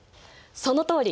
そのとおり！